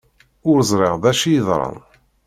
Ur ẓriɣ d acu yeḍran.